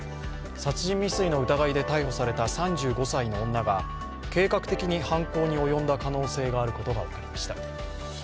殺人未遂の疑いで逮捕された３５歳の女が計画的に犯行に及んだ可能性があることが分かりました。